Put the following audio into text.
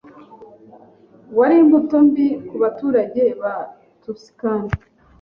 Wari imbuto mbi ku baturage ba Tuscan